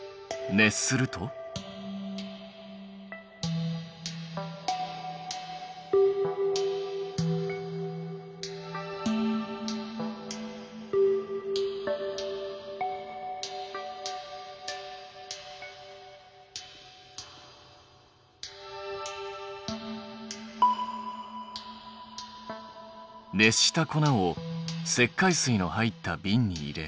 熱した粉を石灰水の入ったびんに入れ。